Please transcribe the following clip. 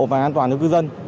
và an toàn cho cư dân